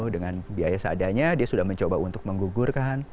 dengan biaya seadanya dia sudah mencoba untuk menggugurkan